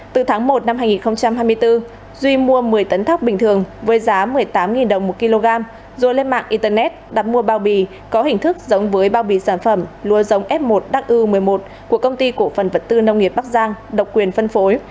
từ tháng một năm hai nghìn hai mươi bốn duy mua một mươi tấn thóc bình thường với giá một mươi tám đồng một kg rồi lên mạng internet đặt mua bao bì có hình thức giống với bao bì sản phẩm lúa giống f một w một mươi một của công ty cổ phần vật tư nông nghiệp bắc giang độc quyền phân phối